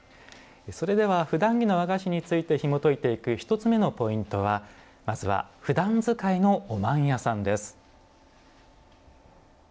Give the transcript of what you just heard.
それではふだん着の和菓子についてひもといていく１つ目のポイントは「ふだん使いのおまんやさん」。